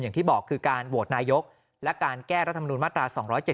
อย่างที่บอกคือการโหวตนายกและการแก้รัฐมนุนมาตรา๒๗๒